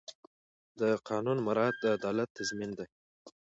د قانون مراعات د عدالت تضمین دی.